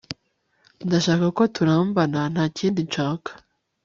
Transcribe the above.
ndashaka ko turambana ntakindi nshaka